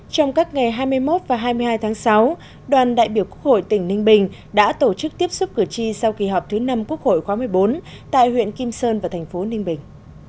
trong các ngày hai mươi một và hai mươi hai tháng sáu đoàn đại biểu quốc hội tỉnh ninh bình đã tổ chức tiếp xúc cử tri sau kỳ họp thứ năm quốc hội khóa một mươi bốn tại huyện kim sơn và thành phố ninh bình